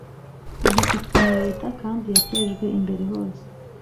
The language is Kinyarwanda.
gifitwe na Leta kandi yatejwe imbere hose